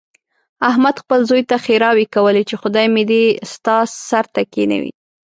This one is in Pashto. احمد خپل زوی ته ښېراوې کولې، چې خدای مې دې ستا سر ته کېنوي.